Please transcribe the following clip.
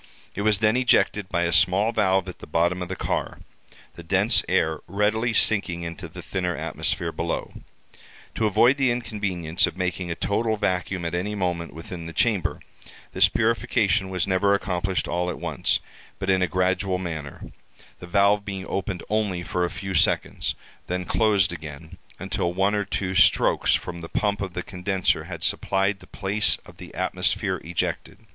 It was then ejected by a small valve at the bottom of the car—the dense air readily sinking into the thinner atmosphere below. To avoid the inconvenience of making a total vacuum at any moment within the chamber, this purification was never accomplished all at once, but in a gradual manner—the valve being opened only for a few seconds, then closed again, until one or two strokes from the pump of the condenser had supplied the place of the atmosphere ejected.